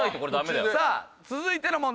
さあ続いての問題